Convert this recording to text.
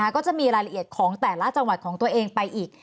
ก็จะมีรายละเอียดของแต่ละจังหวัดของตัวเองไปอีก